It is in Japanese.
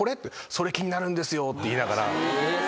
「それ気になるんですよ」って言いながら。